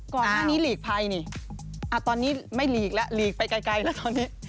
ก่อนหน้านี้หลีกภัยนี่ตอนนี้ไม่หลีกแล้วหลีกไปไกลแล้วตอนนี้